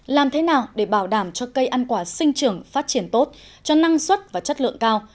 làm thế nào để bảo đảm cho cây ăn quả sinh trưởng phát triển tốt cho năng suất và chất lượng cao